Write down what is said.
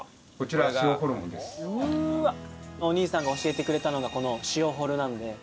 お兄さんが教えてくれたのがこの塩ホルなんで。